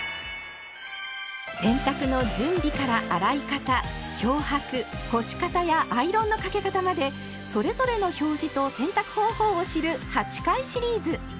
洗濯の準備から洗い方漂白干し方やアイロンのかけ方までそれぞれの表示と洗濯方法を知る８回シリーズ。